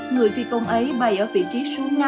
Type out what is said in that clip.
người phi công ấy bay ở vị trí số năm